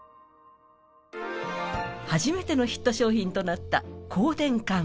初めてのヒット商品となった光電管。